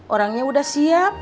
orangnya udah siap